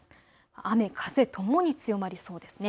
雨風ともに強まりそうです。